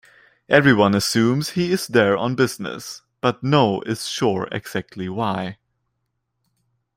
Everyone assumes he is there on business, but no is sure exactly why.